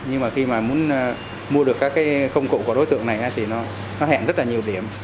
nhưng mà khi mà muốn mua được các cái công cụ của đối tượng này thì nó hẹn rất là nhiều điểm